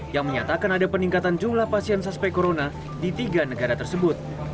yang menyatakan ada peningkatan jumlah pasien suspek corona di tiga negara tersebut